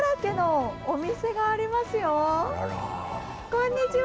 こんにちは。